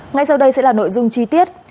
ngay sau đây sẽ là nội dung chi tiết